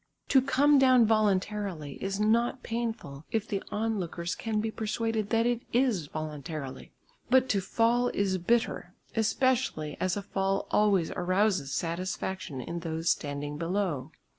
To come down voluntarily is not painful if the onlookers can be persuaded that it is voluntarily, but to fall is bitter, especially as a fall always arouses satisfaction in those standing below.